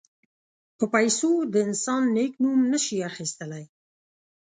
په پیسو د انسان نېک نوم نه شي اخیستلای.